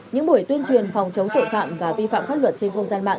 những buổi tuyên truyền phòng chống tội phạm và vi phạm pháp luật trên không gian mạng